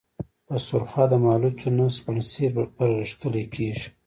په سرخه د مالوچو نه سپڼسي پرغښتلي كېږي۔